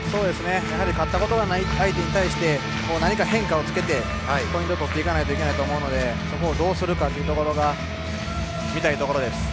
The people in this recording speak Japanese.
勝ったことがない相手に対して何か変化をつけてポイントを取っていかないといけないと思うのでそこをどうするかというのが見たいところです。